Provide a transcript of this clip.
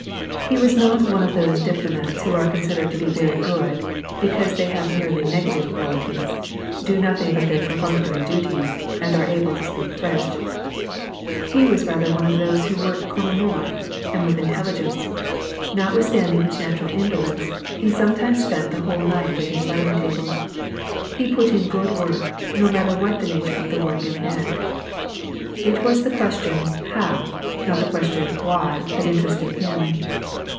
He was not one of those diplomats who are considered to be very good, because they have merely negative qualities, do nothing but their perfunctory duties, and are able to speak French. He was rather one of those who work con amove, and vith intelligence ; notwithstanding his natural indolenco, ho sometimes spent the whole night at his writing table. He ])ut in good work; no matter what was the nature of the work iu 182 WAR AND PEACE. hand. It was the question how," not the question " why," that interested him.